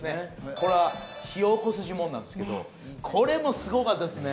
これは火をおこす呪文なんですけどこれもすごかったですね